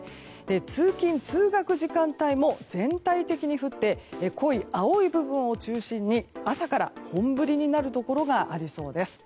通勤・通学時間帯も全体的に降って濃い青い部分を中心に朝から本降りになるところがありそうです。